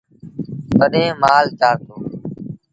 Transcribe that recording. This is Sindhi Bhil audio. تڏهيݩ مآل چآرتو۔